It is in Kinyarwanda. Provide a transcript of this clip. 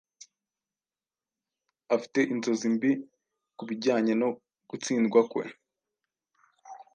afite inzozi mbi kubijyanye no gutsindwa kwe